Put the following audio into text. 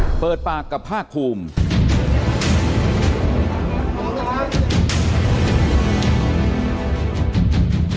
เปิดปากกับภาคภูมิ